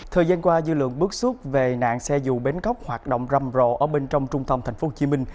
thời gian qua dư lượng bước xuất về nạn xe dù bến góc hoạt động râm rộ ở bên trong trung tâm tp hcm